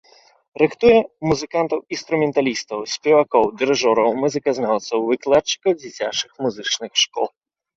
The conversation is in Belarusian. Рыхтуе музыкантаў-інструменталістаў, спевакоў, дырыжораў, музыказнаўцаў, выкладчыкаў дзіцячых музычных школ.